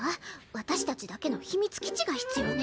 私たちだけの秘密基地が必要ね！